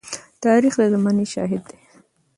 تاریخ د زمانې شاهد دی.